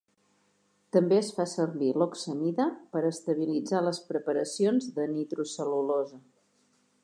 També es fa servir l'oxamida per a estabilitzar les preparacions de nitrocel·lulosa.